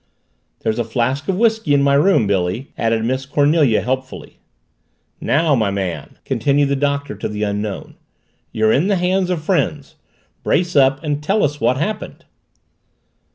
"There's a flask of whisky in my room, Billy," added Miss Cornelia helpfully. "Now, my man," continued the Doctor to the Unknown. "You're in the hands of friends. Brace up and tell us what happened!"